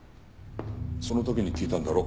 その時に聞いたんだろ？